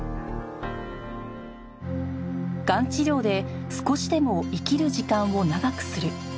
がん治療で少しでも生きる時間を長くする